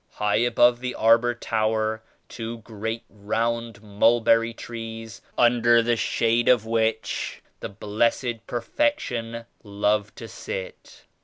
High above the arbor tower two great round mulberry trees under the shade of which the Blessed Perfection loved to sit.